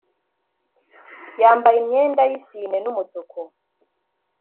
yambaye imyenda y isine n umutuku